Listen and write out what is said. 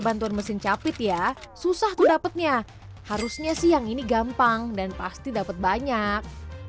bantuan mesin capit ya susah aku dapatnya harusnya sih yang ini gampang dan pasti dapat banyak